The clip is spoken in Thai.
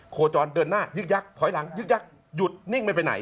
โคจรเดินหน้ายึกยักษ์ถอยหลังยึกยักษ์หยุดนิ่งไม่ไปไหน